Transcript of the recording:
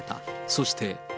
そして。